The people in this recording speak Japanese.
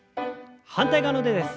反対側の腕です。